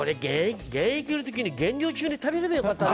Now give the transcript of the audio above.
現役のときに減量のときに食べればよかったな。